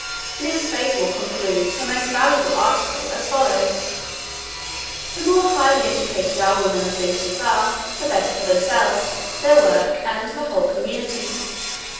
Miss Faithfull concludes her most valuable article as follows: 'The more highly educated our women of business are, the better for themselves, their work, and the whole community.